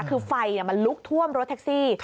คือไฟมันลุกท่วมรถแท็กซี่